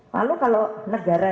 lalu kalau negara